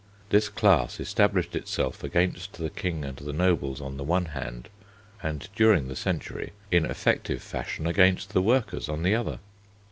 This class established itself against the King and the nobles on the one hand, and during the century in effective fashion against the workers on the other.